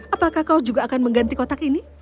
apakah kau juga akan mengganti kotak ini